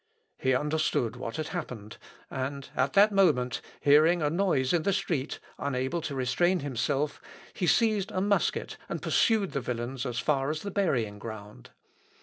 He understood what had happened, and at that moment, hearing a noise in the street, unable to restrain himself, he seized a musket, and pursued the villains as far as the burying ground.